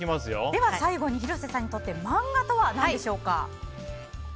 では最後に、広瀬さんにとってマンガとは何でしょうか。